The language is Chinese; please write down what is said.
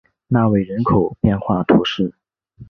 纳韦人口变化图示